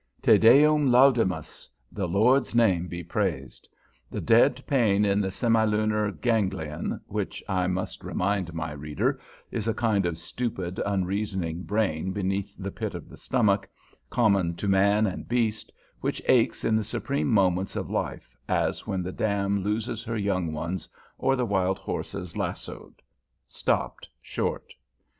TE DEUM LAUDAMUS! The Lord's name be praised! The dead pain in the semilunar ganglion (which I must remind my reader is a kind of stupid, unreasoning brain, beneath the pit of the stomach, common to man and beast, which aches in the supreme moments of life, as when the dam loses her young ones, or the wild horse is lassoed) stopped short.